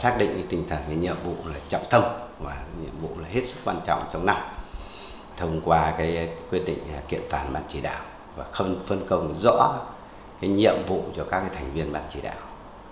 kiện toàn bản chỉ đạo và không phân công rõ nhiệm vụ cho các thành viên bản chỉ đạo